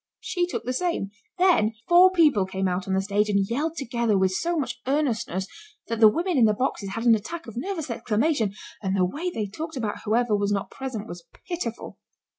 She took the same. Then four people came out on the stage and yelled together with so much earnestness that the women in the boxes had an attack of nervous exclamation, and the way they talked about whoever was not present was pitiful.